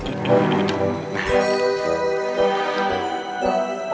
ini nggak usah